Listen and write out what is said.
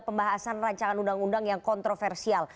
pembahasan rancangan undang undang yang kontroversial